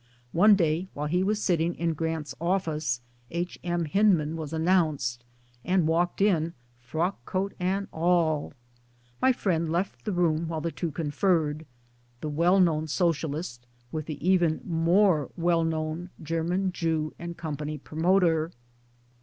One day while he was sitting in Grant's office H. M. Hyndman was announced, and walked in, frock coat and all. My friend left the room while the two conferred the well known Socialist with the even more well known German Jew and Company promoter.